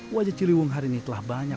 wajah ciliwung hari ini telah banyak